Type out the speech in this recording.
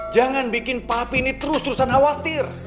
jangan bikin papi ini terus terusan khawatir